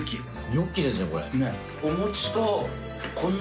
ニョッキですねこれ。